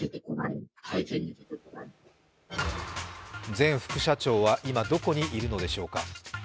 前副社長は、今どこにいるのでしょうか。